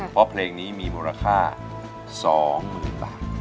เพราะเพลงนี้มีมูลค่า๒๐๐๐บาท